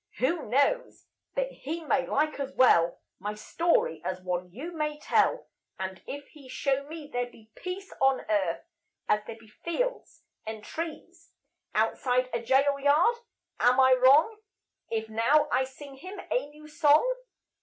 Who knows but He may like as well My story as one you may tell? And if He show me there be Peace On Earth, as there be fields and trees Outside a jail yard, am I wrong If now I sing Him a new song?